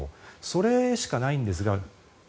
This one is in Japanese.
それしかないんですが。